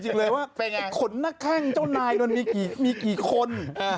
จริงเลยว่าขนหน้าแข้งเจ้านายมันมีกี่คน